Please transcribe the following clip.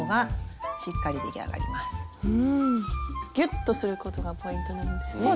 ギュッとすることがポイントなんですね。